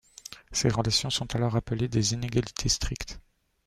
Ces relations sont alors appelées des inégalités strictes.